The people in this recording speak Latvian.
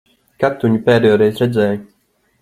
Kad tu viņu pēdējoreiz redzēji?